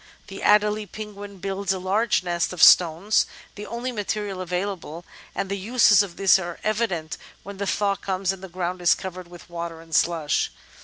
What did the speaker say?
The Adelie Penguin builds a large nest of stones, the only material available, and the uses of this are evident when the thaw comes and the ground is covered with water and slush.